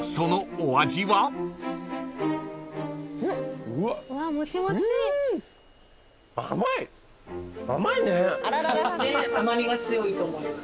甘味は強いと思います。